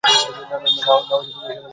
না, মিশন হবে কোনো।